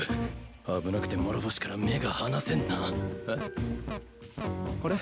危なくて諸星から目が離せんなえっ？あれ？